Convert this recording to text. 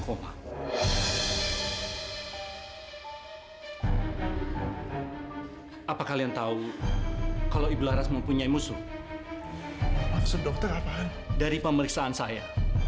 hai apa kalian tahu kalau ibu laras mempunyai musuh maksud dokter apaan dari pemeriksaan saya